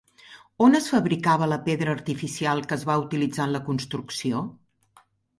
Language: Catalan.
On es fabricava la pedra artificial que es va utilitzar en la construcció?